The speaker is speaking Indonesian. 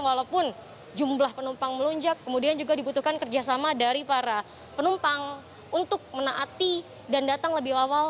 walaupun jumlah penumpang melonjak kemudian juga dibutuhkan kerjasama dari para penumpang untuk menaati dan datang lebih awal